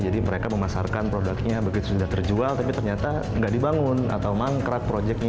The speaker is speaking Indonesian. jadi mereka memasarkan produknya begitu sudah terjual tapi ternyata nggak dibangun atau mangkrak projectnya